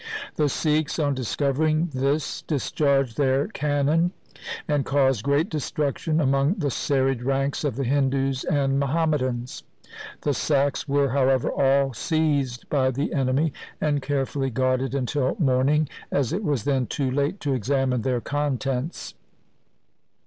The Sikhs on discovering this discharged their cannon and caused great destruction among the serried ranks of the Hindus and Muhammadans. The sacks were, however, all seized by the enemy, and carefully guarded until morning, as it was then too late to examine their contents.